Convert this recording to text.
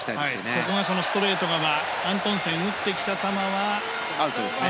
ここはそのストレート側アントンセンが打ってきた球はアウトです。